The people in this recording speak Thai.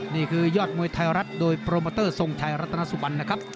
นี่คือยอดมวยไทยรัฐโดยโปรโมเตอร์ทรงชัยรัตนสุบันนะครับ